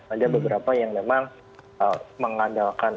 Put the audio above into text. ada beberapa yang memang mengandalkan